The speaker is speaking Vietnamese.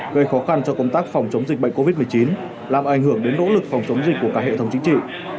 gây khó khăn cho công tác phòng chống dịch bệnh covid một mươi chín làm ảnh hưởng đến nỗ lực phòng chống dịch của cả hệ thống chính trị